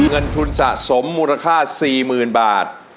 เงินทุนสะสมมูลค่า๔๐๐๐บาท